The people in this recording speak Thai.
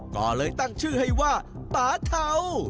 ก็เลยตั้งชื่อให้ว่าป่าเทา